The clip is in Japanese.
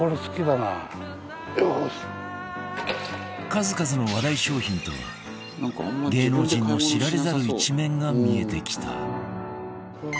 数々の話題商品と芸能人の知られざる一面が見えてきた